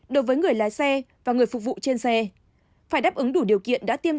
đối với người lái xe và người phục vụ trên xe phải đáp ứng đủ điều kiện đã tiêm